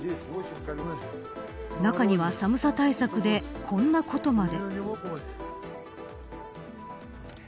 中には寒さ対策でこんなことまで。